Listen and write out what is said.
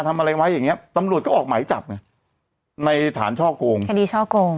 ทำอะไรไว้อย่างเงี้ยตำรวจก็ออกหมายจับไงในฐานช่อกงคดีช่อกง